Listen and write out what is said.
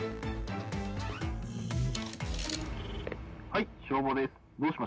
☎はい消防です。